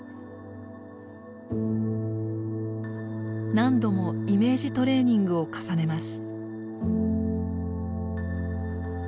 何度もイメージトレーニングを重ねます。